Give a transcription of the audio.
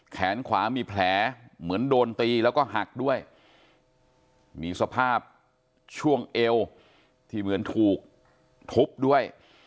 แขนขวามีแผลเหมือนโดนตีแล้วก็หักด้วยมีสภาพช่วงเอวที่เหมือนถูกทุบด้วย